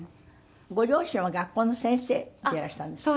ご両親は学校の先生でいらしたんですって？